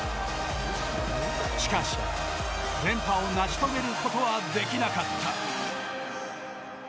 しかし、連覇を成し遂げることはできなかった。